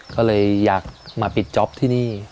ก็เลยอยากมาปิดจ๊อปที่นี่